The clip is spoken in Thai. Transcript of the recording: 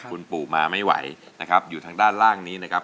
คุณปู่มาไม่ไหวนะครับอยู่ทางด้านล่างนี้นะครับ